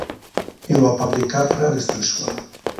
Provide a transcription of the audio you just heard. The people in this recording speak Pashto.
یوه فابریکه پرانېستل شوه